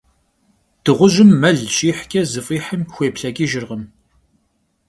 Dığujım mel şihç'e, zıf'ihım xuêplheç'ıjjırkhım.